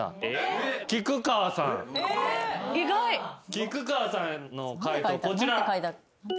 菊川さんの解答こちら。